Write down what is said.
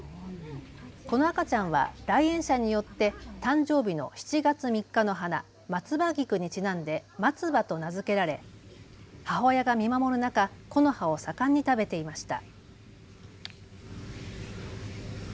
この赤ちゃんは来園者によって誕生日の７月３日の花、マツバギクにちなんでマツバと名付けられ母親が見守る中、木の葉を盛んに食べていました。